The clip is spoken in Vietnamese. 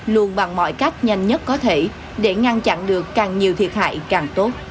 luôn bằng mọi cách nhanh nhất có thể để ngăn chặn được càng nhiều thiệt hại càng tốt